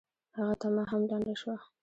هغه تمه هم لنډه شوه.